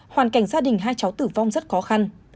hoàn cảnh gia đình hai cháu tử vong rất khó khăn